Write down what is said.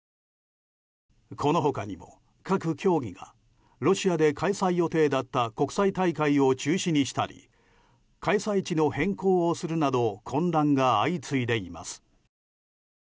この他にも各競技がロシアで開催予定だった国際大会を中止にしたり開催地の変更をするなど混乱が相次いでいます。